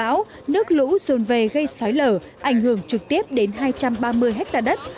vào mùa mưa bão nước lũ dồn về gây sói lở ảnh hưởng trực tiếp đến hai trăm ba mươi hectare đất